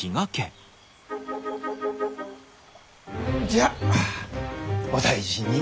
じゃあお大事に。